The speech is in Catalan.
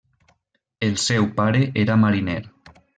El seu pare era mariner.